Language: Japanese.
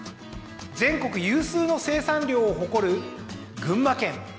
全国有数の生産量を誇る群馬県。